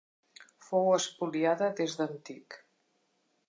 Fou espoliada des d'antic.